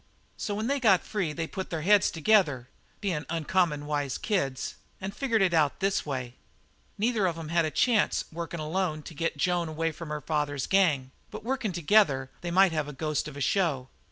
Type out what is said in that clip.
So when they got free they put their heads together bein' uncommon wise kids and figured it out this way. Neither of 'em had a chance workin' alone to get Joan way from her father's gang, but workin' together they might have a ghost of a show.